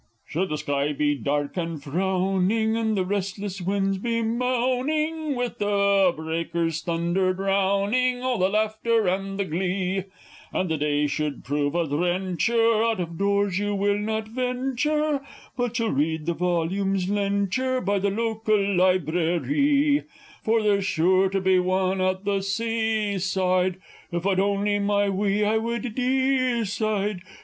_ Should the sky be dark and frowning, and the restless winds be mowning, With the breakers' thunder drowning all the laughter and the glee; And the day should prove a drencher, out of doors you will not ventcher, But you'll read the volumes lent yer by the Local Libraree! Chorus For there's sure to be one at the Sea side!